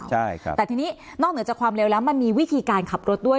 ใช่ครับแต่ทีนี้นอกเหนือจากความเร็วแล้วมันมีวิธีการขับรถด้วย